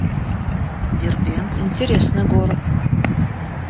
Дербент — интересный город